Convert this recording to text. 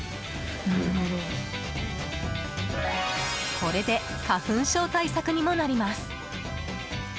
これで花粉症対策にもなります。